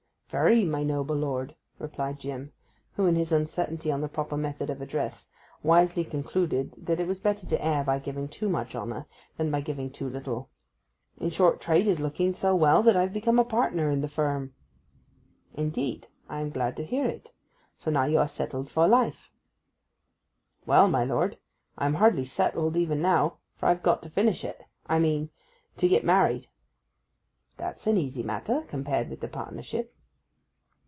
'Very, my noble lord,' replied Jim, who, in his uncertainty on the proper method of address, wisely concluded that it was better to err by giving too much honour than by giving too little. 'In short, trade is looking so well that I've become a partner in the firm.' 'Indeed; I am glad to hear it. So now you are settled in life.' 'Well, my lord; I am hardly settled, even now. For I've got to finish it—I mean, to get married.' 'That's an easy matter, compared with the partnership.